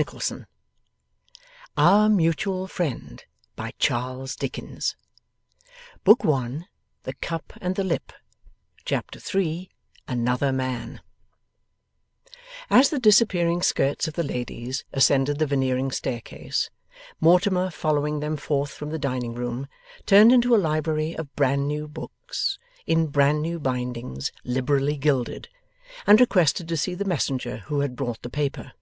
The story is completer and rather more exciting than I supposed. Man's drowned!' Chapter 3 ANOTHER MAN As the disappearing skirts of the ladies ascended the Veneering staircase, Mortimer, following them forth from the dining room, turned into a library of bran new books, in bran new bindings liberally gilded, and requested to see the messenger who had brought the paper.